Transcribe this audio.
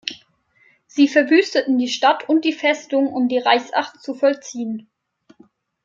Sie verwüsteten die Stadt und die Festung, um die Reichsacht zu vollziehen.